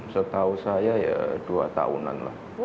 setahu saya ya dua tahunan lah